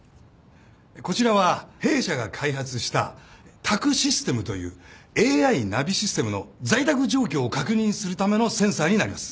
こちらは弊社が開発した宅・システムというＡＩナビシステムの在宅状況を確認するためのセンサーになります。